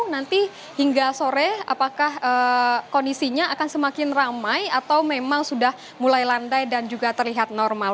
nanti hingga sore apakah kondisinya akan semakin ramai atau memang sudah mulai landai dan juga terlihat normal